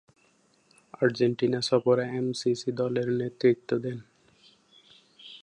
Argentina সফরে MCC দলের নেতৃত্ব দেন।